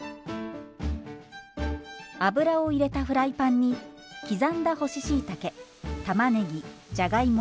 油を入れたフライパンに刻んだ干ししいたけたまねぎじゃがいも